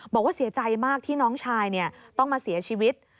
บอกว่าเสียใจมากที่น้องชายต้องมาเสียชีวิต